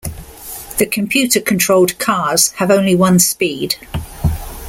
The computer-controlled cars have only one speed.